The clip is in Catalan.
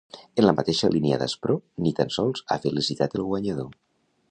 En la mateixa línia d’aspror, ni tan sols ha felicitat el guanyador.